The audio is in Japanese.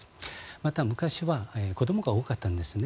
また、昔は子どもが多かったんですね。